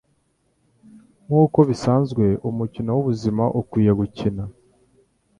Nkuko bisanzwe, umukino wubuzima ukwiye gukina.